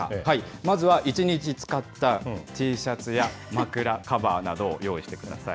まずは１日使ったＴシャツや枕カバーなどを用意してください。